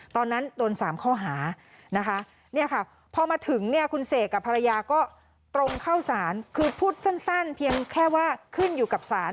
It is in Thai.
ตอนนั้นโดนสามข้อหาพอมาถึงคุณเสกกับภรรยาก็ตรงเข้าศาลคือพูดสั้นเพียงแค่ว่าขึ้นอยู่กับศาล